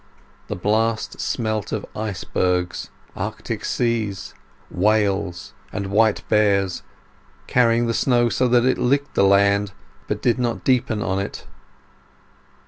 The blast smelt of icebergs, arctic seas, whales, and white bears, carrying the snow so that it licked the land but did not deepen on it.